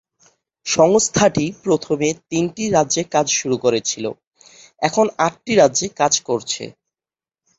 সংস্থাটি প্রথমে তিনটি রাজ্যে কাজ শুরু করেছিল, এখন আটটি রাজ্যে কাজ করছে।